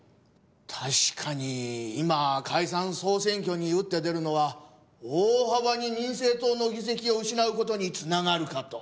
確かに今解散総選挙に打って出るのは大幅に民政党の議席を失う事に繋がるかと。